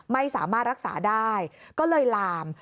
ไม่สามารถรักษาได้ก็เลยลาม